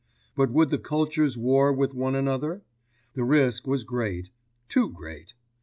But would the cultures war with one another? The risk was great, too great.